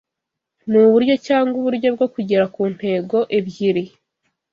Nuburyo cyangwa uburyo bwo kugera ku ntego ebyiri